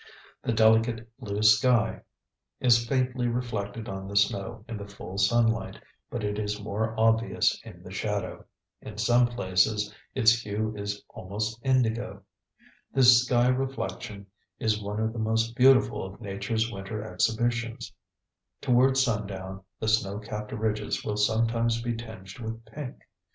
The delicate blue sky is faintly reflected on the snow in the full sunlight, but it is more obvious in the shadow; in some places its hue is almost indigo. This sky reflection is one of the most beautiful of Nature's winter exhibitions. Towards sundown the snow capped ridges will sometimes be tinged with pink.